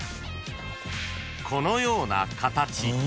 ［このような形］